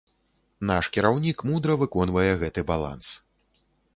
Наш кіраўнік мудра выконвае гэты баланс.